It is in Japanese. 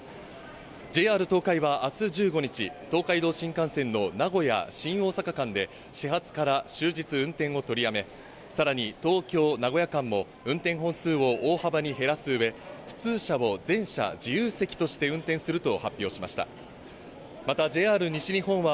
ＪＲ東海はあす１５日、東海道新幹線の名古屋−新大阪間で始発から終日運転を取りやめ、さらに東京−名古屋間も運転本数を大幅に減らす上、普通車を全車自由席として運転すると発表しました。